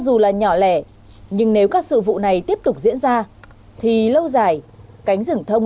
đã dừng tại đây cho dù là nhỏ lẻ nhưng nếu các sự vụ này tiếp tục diễn ra thì lâu dài cánh rừng thông